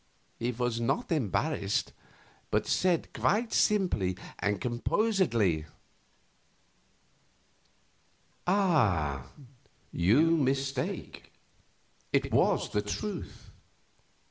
He was not embarrassed, but said, quite simply and composedly: "Ah, you mistake; it was the truth.